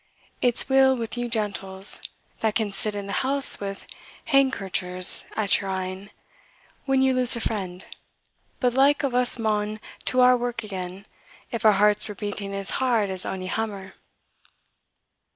It 's weel with you gentles, that can sit in the house with handkerchers at your een, when ye lose a friend; but the like o' us maun to our work again, if our hearts were beating as hard as ony hammer."